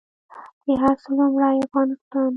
د هر څه لومړۍ افغانستان